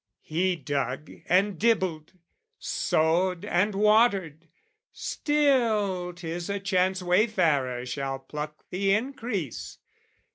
He dug and dibbled, sowed and watered, still 'Tis a chance wayfarer shall pluck the increase.